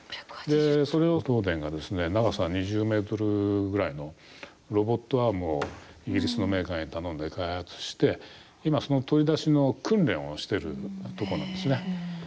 それを東電が長さ２０ｍぐらいのロボットアームをイギリスのメーカーに頼んで開発して今、その取り出しの訓練をしてるところなんですね。